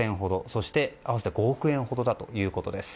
そして、合わせて５億円ほどだということです。